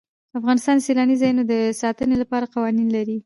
افغانستان د سیلانی ځایونه د ساتنې لپاره قوانین لري.